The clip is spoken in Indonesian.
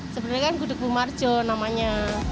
sebenarnya kan gudeg bumarjo namanya